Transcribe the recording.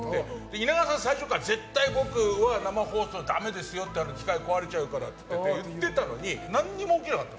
稲川さん、最初から絶対僕は生放送だめですよ機械、壊れちゃうからって言ってたのに何にも起きなかった。